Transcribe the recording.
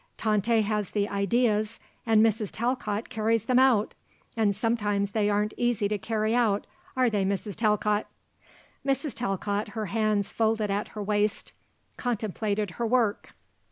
"Tante has the ideas and Mrs. Talcott carries them out. And sometimes they aren't easy to carry out, are they, Mrs. Talcott!" Mrs. Talcott, her hands folded at her waist, contemplated her work.